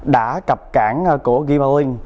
đã cập cảng của gimbalink